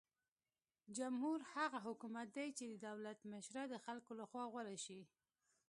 جمهور هغه حکومت دی چې د دولت مشره د خلکو لخوا غوره شي.